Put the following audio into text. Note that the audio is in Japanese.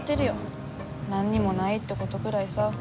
何にもないってことぐらいさ。